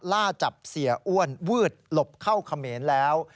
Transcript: ล่าจับเสียอ้วนวืดหลบเข้าเขมรแล้ว